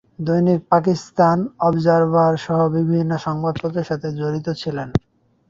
দৈনিক পাকিস্তান অবজারভার সহ বিভিন্ন সংবাদপত্রের সাথে জড়িত ছিলেন।